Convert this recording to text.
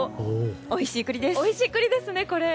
おいしい栗ですね、これ！